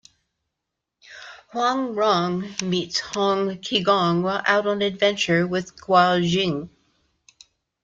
Huang Rong meets Hong Qigong while out on adventure with Guo Jing.